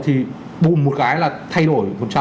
thì bùm một cái là thay đổi